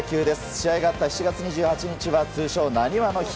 試合があった７月２８日は通称なにわの日。